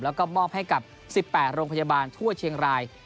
แล้วก็มอบให้กับ๑๘โรงพยาบาลทั่วเชียงราย